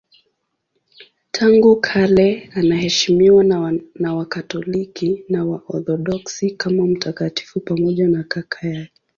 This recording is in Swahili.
Tangu kale anaheshimiwa na Wakatoliki na Waorthodoksi kama mtakatifu pamoja na kaka yake.